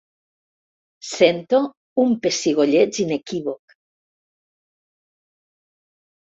Sento un pessigolleig inequívoc.